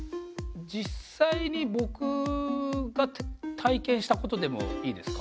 実際に僕が体験したことでもいいですか？